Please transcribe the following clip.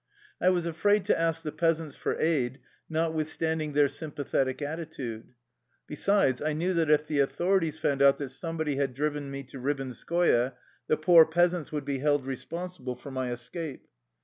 I was afraid to ask the peasants for aid, notwithstanding their sympa thetic attitude. Besides, I knew that if the authorities found out that somebody had driven me to Ribinskoye the poor peasants would be held responsible for my escape.